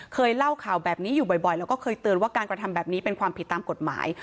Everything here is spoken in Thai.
เคยเล่าข่าวแบบนี้อยู่บ่อยแล้วก็เคยเตือนว่าการกระทำแบบนี้เป็นความผิดตามกฎหมาย